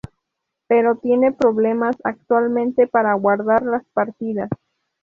Pero tiene problemas actualmente para guardar las partidas.